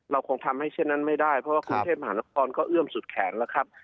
คงทำให้เช่นนั้นไม่ได้เพราะว่ากรุงเทพมหานครก็เอื้อมสุดแขนแล้วครับ